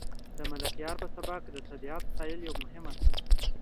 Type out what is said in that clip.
د ملکیار په سبک کې د طبیعت ستایل یو مهم اصل دی.